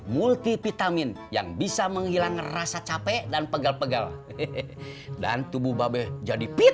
multivitamin yang bisa menghilangkan rasa capek dan pegal pegal dan tubuh babel jadi pit